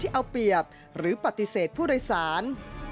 เอาเปรียบหรือปฏิเสธผู้โดยสาร